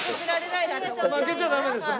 負けちゃダメですよ。